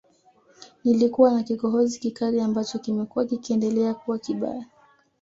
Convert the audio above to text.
Nilikuwa na kikohozi kikali ambacho kimekuwa kikiendelea kuwa kibaya